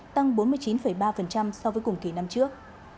tăng bốn mươi chín ba so với cùng kỳ năm trước